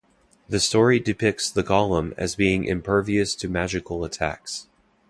The story depicts the golem as being impervious to magical attacks.